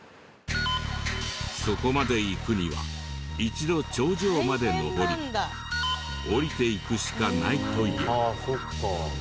そこまで行くには一度頂上まで登り下りていくしかないという。